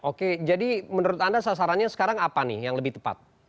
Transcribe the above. oke jadi menurut anda sasarannya sekarang apa nih yang lebih tepat